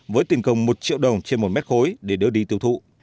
với tiền công một triệu đồng trên một mét khối để đưa đi tiêu thụ